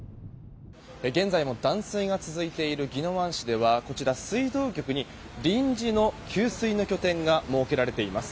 現在も断水が続いている宜野湾市では水道局に臨時の給水の拠点が設けられています。